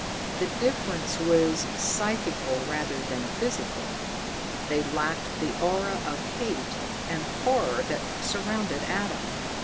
The difference was psychical rather than physical; they lacked the aura of hate and horror that surrounded Adam.